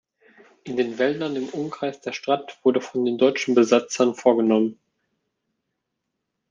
In den Wäldern im Umkreis der Stadt wurden von den deutschen Besatzern vorgenommen.